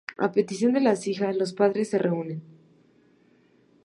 A petición de las hijas, los padres se reúnen.